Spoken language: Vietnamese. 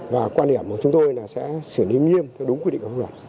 và quan điểm của chúng tôi là sẽ xử lý nghiêm theo đúng quy định của pháp luật